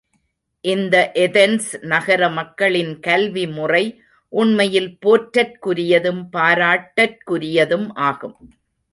இந்த ஏதென்ஸ் நகர மக்களின் கல்வி முறை உண்மையில் போற்றற்குரியதும் பாராட்டற்குரியதும் ஆகும்.